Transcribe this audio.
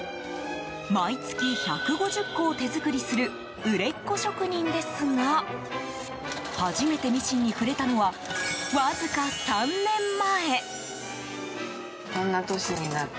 毎月１５０個を手作りする売れっ子職人ですが初めてミシンに触れたのはわずか３年前。